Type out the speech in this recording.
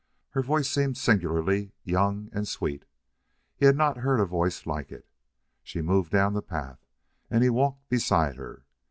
Her voice seemed singularly young and sweet. He had not heard a voice like it. She moved down the path and he walked beside her.